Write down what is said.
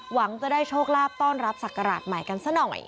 หวังจะได้โชคลาภต้อนรับศักราชใหม่กันซะหน่อย